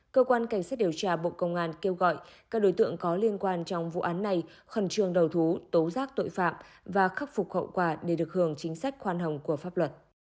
cơ quan cảnh sát điều tra bộ công an kêu gọi các đối tượng có liên quan trong vụ án này khẩn trương đầu thú tố giác tội phạm và khắc phục hậu quả để được hưởng chính sách khoan hồng của pháp luật